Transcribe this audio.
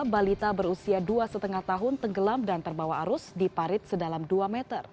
balita berusia dua lima tahun tenggelam dan terbawa arus di parit sedalam dua meter